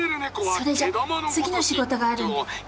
それじゃ次の仕事があるんで。